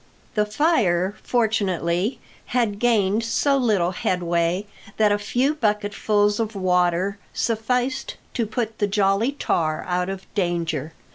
The fire, fortunately, had gained so little headway that a few bucketfuls of water sufficed to put the Jolly Tar cut of danger.